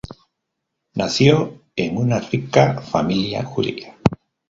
Nació en una rica familia judía.